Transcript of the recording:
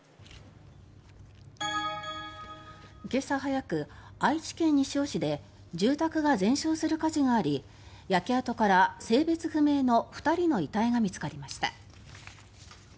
今朝早く、愛知県西尾市で住宅が全焼する火事があり焼け跡から性別不明の２人の遺体が見つかりました。